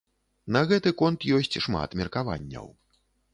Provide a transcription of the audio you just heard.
На гэты конт ёсць шмат меркаванняў.